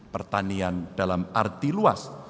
pertanian dalam arti luas